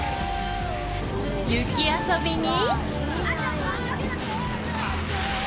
雪遊びに。